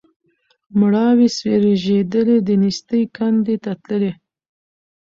مړاوي سوي رژېدلي د نېستۍ کندي ته تللي